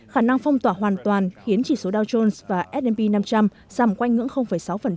khả năng phong tỏa hoàn toàn khiến chỉ số dow jones và s p năm trăm linh giảm quanh ngưỡng sáu